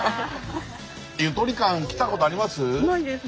ゆとり館来たことあります？